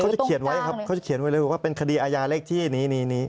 จะเขียนไว้ครับเขาจะเขียนไว้เลยว่าเป็นคดีอาญาเลขที่นี้